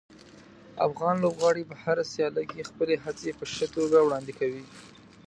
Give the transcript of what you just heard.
افغان لوبغاړي په هره سیالي کې خپلې هڅې په ښه توګه وړاندې کوي.